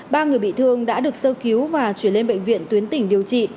ba người bị thương đã được sơ cứu và chuyển lên bệnh viện tuyến tỉnh điều trị